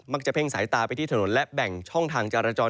จะเพ่งสายตาไปที่ถนนและแบ่งช่องทางจรจร